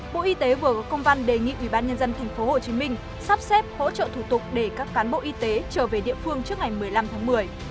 bộ y tế vừa có công văn đề nghị ubnd tp hcm sắp xếp hỗ trợ thủ tục để các cán bộ y tế trở về địa phương trước ngày một mươi năm tháng một mươi